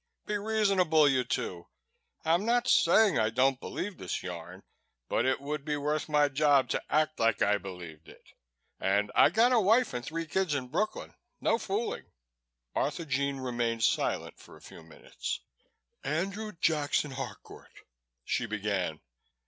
Be reasonable, you two. I'm not saying I don't believe this yarn, but it would be worth my job to act like I believed it and I got a wife and three kids in Brooklyn, no fooling." Arthurjean remained silent for a few minutes, "Andrew Jackson Harcourt " she began.